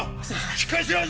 しっかりしろ始！